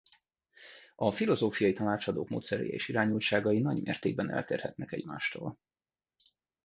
A filozófiai tanácsadók módszerei és irányultságai nagymértékben eltérhetnek egymástól.